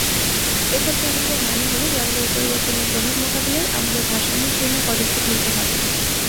এসব চ্যালেঞ্জের মানে হলো, জলবায়ু পরিবর্তনের প্রভাব মোকাবিলায় আমাদের ভারসাম্যপূর্ণ পদক্ষেপ নিতে হবে।